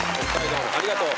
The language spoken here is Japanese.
ありがとう。